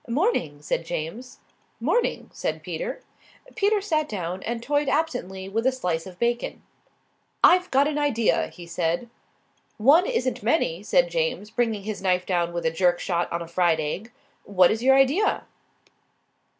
"'Morning," said James. "'Morning," said Peter. Peter sat down and toyed absently with a slice of bacon. "I've got an idea," he said. "One isn't many," said James, bringing his knife down with a jerk shot on a fried egg. "What is your idea?"